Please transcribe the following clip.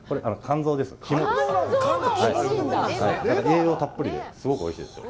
栄養たっぷりですごくおいしいです。